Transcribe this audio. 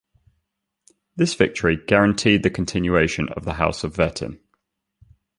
This victory guaranteed the continuation of the House of Wettin.